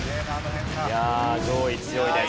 いやあ上位強いです。